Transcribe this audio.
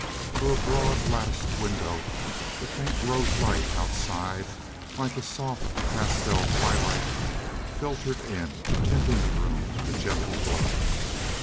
Through a broad latticed window the faint rose light outside like a soft pastel twilight filtered in, tinting the room with a gentle glow.